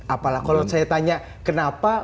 apalah kalau saya tanya kenapa